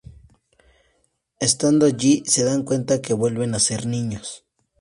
Estando allí, se dan cuenta que vuelven a ser niños.